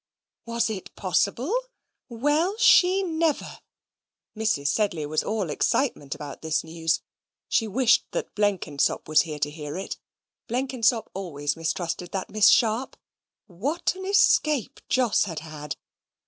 Was it possible? Well she never! Mrs. Sedley was all excitement about this news. She wished that Blenkinsop were here to hear it: Blenkinsop always mistrusted that Miss Sharp. What an escape Jos had had!